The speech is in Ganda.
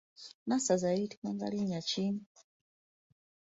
Nassaza yayitibwanga linnya ki?